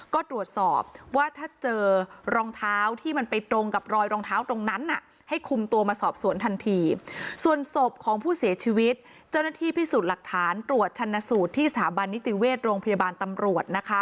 ก็ตรวจสอบว่าถ้าเจอรองเท้าที่มันไปตรงกับรอยรองเท้าตรงนั้น